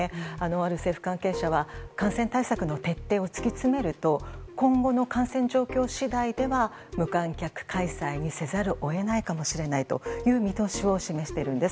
ある政府関係者は感染対策の徹底を突き詰めると今後の感染状況次第では無観客開催にせざるを得ないかもしれないという見通しを示しているんです。